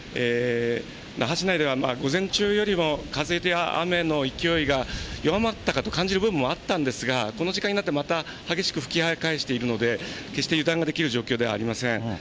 那覇市内では午前中よりも風や雨の勢いが弱まったかと感じる部分もあったんですが、この時間になって、また激しく吹き返しているので、決して油断ができる状況ではありません。